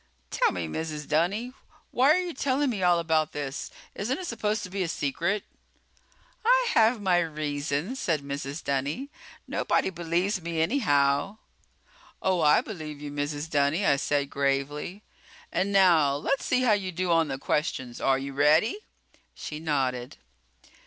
"Tell me, Mrs. Dunny. Why are you telling me about all this? Isn't it supposed to be a secret?" "I have my reasons," said Mrs. Dunny. "Nobody believes me anyhow." "Oh, I believe you, Mrs. Dunny," I said gravely. "And now, let's see how you do on the questions. Are you ready?" She nodded.